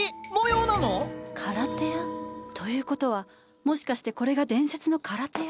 カラテア？ということはもしかしてこれが伝説のカラテア？